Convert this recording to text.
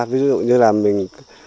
ví dụ như là mình